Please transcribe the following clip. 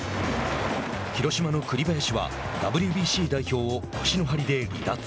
広島の栗林はＷＢＣ代表を腰の張りで離脱。